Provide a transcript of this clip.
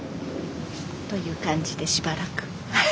という感じでしばらく。